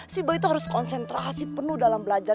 si boy tuh harus konsentrasi penuh dalam belajar